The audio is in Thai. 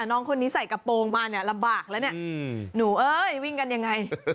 น้องคนนี้ใส่กระโปรงมาเนี่ยลำบากแล้วเนี่ยหนูเอ้ยวิ่งกันยังไง